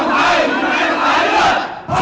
ฮ่อโทษเว้นฝากไทย